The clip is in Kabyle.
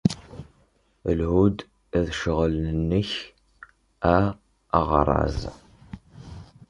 Lhu ed ccɣel-nnek a axerraz.